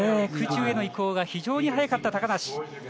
空中への移行が非常に早かった高梨。